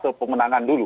di fase pemenangan dulu